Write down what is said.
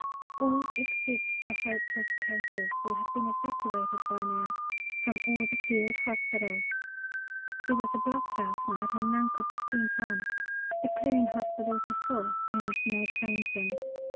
All except the hopeless cases will have been evacuated by now from all the Field Hospitals. There was a block last night, and none could be sent on. The Clearing Hospitals were full, and no trains in.